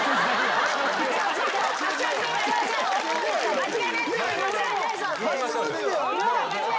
間違いない！